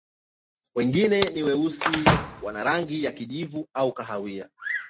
Wengine ni weusi, wengine wana rangi ya kijivu au kahawia.